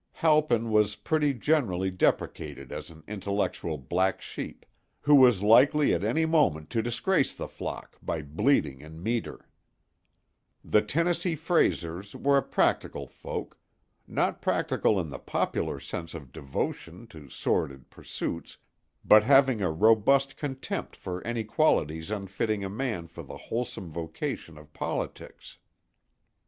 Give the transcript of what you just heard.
Halpin was pretty generally deprecated as an intellectual black sheep who was likely at any moment to disgrace the flock by bleating in meter. The Tennessee Fraysers were a practical folk—not practical in the popular sense of devotion to sordid pursuits, but having a robust contempt for any qualities unfitting a man for the wholesome vocation of politics.